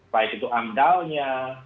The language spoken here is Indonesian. baik itu amdaunya